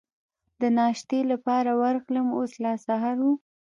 د ناشتې لپاره ورغلم، اوس لا سهار و.